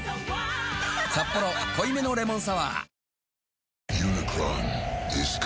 「サッポロ濃いめのレモンサワー」